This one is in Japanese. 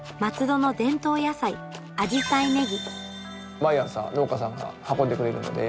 毎朝農家さんが運んでくれるので。